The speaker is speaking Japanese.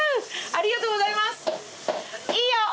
・ありがとうございます。